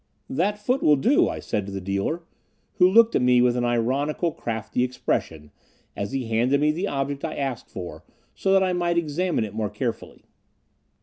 "That foot will do," I said to the dealer, who looked at me with an ironical, crafty expression, as he handed me the object I asked for, so that I might examine it more carefully.